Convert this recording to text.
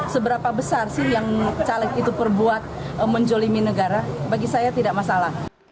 seberapa besar sih yang caleg itu berbuat menjolimi negara bagi saya tidak masalah